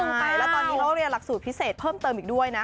ไปแล้วตอนนี้เขาเรียนหลักสูตรพิเศษเพิ่มเติมอีกด้วยนะ